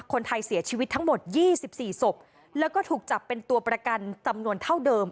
คนไทยเสียชีวิตทั้งหมด๒๔ศพแล้วก็ถูกจับเป็นตัวประกันจำนวนเท่าเดิม